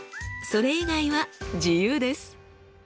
それ以外は自由です。